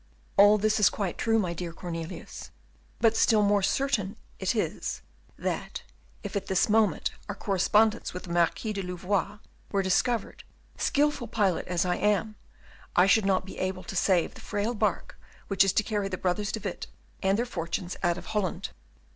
"All this is quite true, my dear Cornelius, but still more certain it is, that if at this moment our correspondence with the Marquis de Louvois were discovered, skilful pilot as I am, I should not be able to save the frail barque which is to carry the brothers De Witt and their fortunes out of Holland.